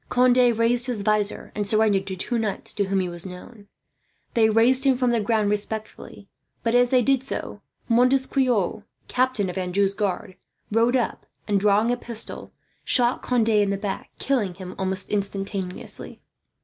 Conde raised his visor, and surrendered to two knights to whom he was known. They raised him from the ground respectfully; but as they did so Montesquieu, captain of Anjou's guards, rode up and, drawing a pistol, shot Conde in the back, killing him almost instantaneously.